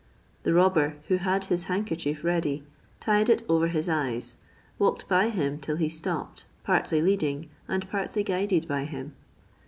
The robber, who had his handkerchief ready, tied it over his eyes, walked by him till he stopped, partly leading, and partly guided by him.